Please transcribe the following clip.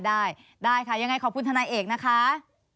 ได้ได้ค่ะยังไงขอบคุณทนายเอกนะคะ